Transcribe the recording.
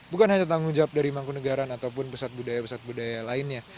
bukan hanya tanggung jawab dari mangkunegaran ataupun pusat budaya pusat budaya lainnya